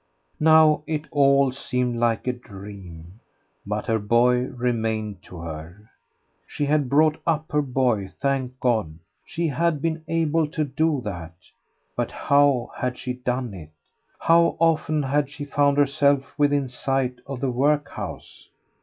Now it all seemed like a dream. But her boy remained to her. She had brought up her boy, thank God, she had been able to do that. But how had she done it? How often had she found herself within sight of the workhouse?